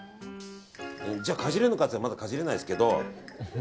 じゃあ、かじれるのかといったらまだかじれないですけど。